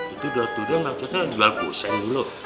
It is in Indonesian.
itu door to door gak susah jual pusing dulu